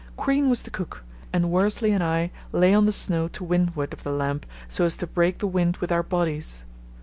Crean was the cook, and Worsley and I lay on the snow to windward of the lamp so as to break the wind with our bodies.